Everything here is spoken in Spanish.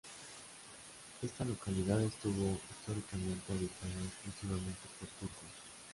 Esta localidad estuvo, históricamente, habitada exclusivamente por turcos.